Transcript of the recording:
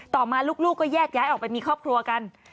ต่อมาลูกก็แยกย้ายออกไปมีครอบครัวกัน